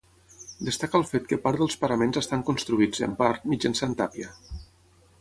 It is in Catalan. Destaca el fet que part dels paraments estan construïts, en part, mitjançant tàpia.